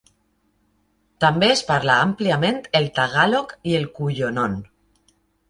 També es parla àmpliament el tagàlog i el cuyonon.